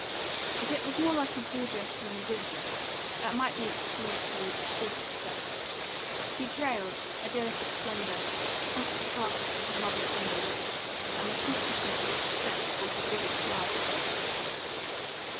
If it was more like a ball dress than a dinner dress, that might be excused to the exquisite effect. She trailed, a delicate splendour, across the carpet in her mother's sombre wake, and the consciousness of success brought a vivid smile to her face.